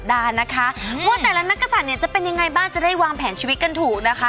ว่าแต่ละนักศัตริย์เนี่ยจะเป็นยังไงบ้างจะได้วางแผนชีวิตกันถูกนะคะ